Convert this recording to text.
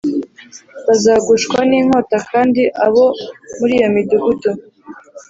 Bazagushwa n inkota kandi abo muri iyo midugudu